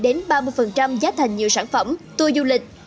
đến ba mươi giá thành nhiều sản phẩm tour du lịch